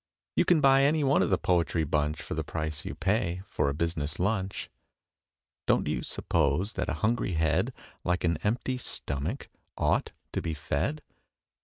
You can buy any one of the poetry bunch For the price you pay for a business lunch. Don't you suppose that a hungry head, Like an empty stomach, ought to be fed?